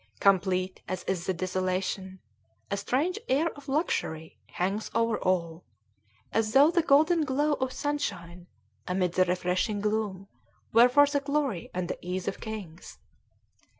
Complete as is the desolation, a strange air of luxury hangs over all, as though the golden glow of sunshine amid the refreshing gloom were for the glory and the ease of kings.